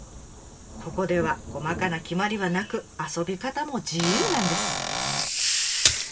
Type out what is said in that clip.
ここでは細かな決まりはなく遊び方も自由なんです。